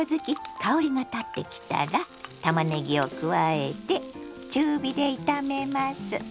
香りがたってきたらたまねぎを加えて中火で炒めます。